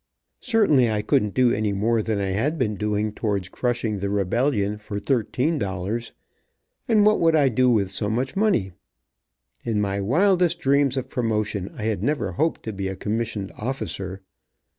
Certainly I couldn't do any more than I had been doing towards crushing the rebellion for thirteen dollars. And what would I do with so much money? In my wildest dreams of promotion I had never hoped to be a commissioned officer.